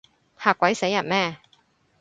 嚇鬼死人咩？